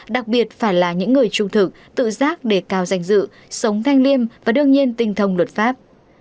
đặc biệt phải là những người trung thực tự giác đề cao danh dự sống thanh liêm và đương nhiên tinh thông luật pháp